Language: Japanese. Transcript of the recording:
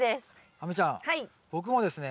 亜美ちゃん僕もですね